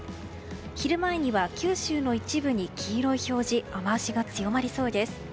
昼前には九州の一部に黄色い表示雨脚が強まりそうです。